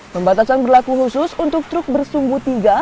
pembatasan berlaku khusus untuk truk bersumbu tiga